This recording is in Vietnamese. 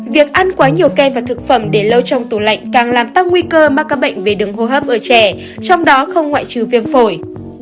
việc ăn quá nhiều ke và thực phẩm để lâu trong tủ lạnh càng làm tăng nguy cơ mắc các bệnh về đường hô hấp ở trẻ trong đó không ngoại trừ viêm phổi